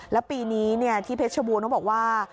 แล้วปีนี้ที่เพชรบูรณเขาบอกว่า